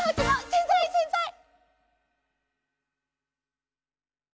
せんざいせんざい！